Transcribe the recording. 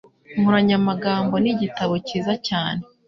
Inkoranyamagambo nigitabo cyiza cyane.